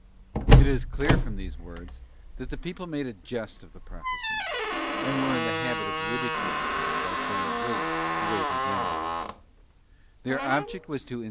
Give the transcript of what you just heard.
'f It is clear from these words, that the people made a jest of the prophecies, and were in the habit of ridiculing them by saying, 'wait, wait again,' Their object was to insinuate * 2 Cor.